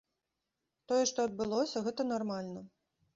Тое, што адбылося, гэта нармальна.